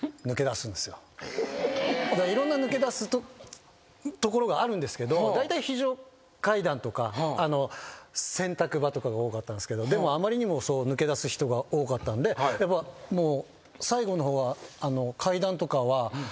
いろんな抜け出す所があるんですけどだいたい非常階段とか洗濯場とかが多かったんですけどでもあまりにも抜け出す人が多かったんで最後の方は。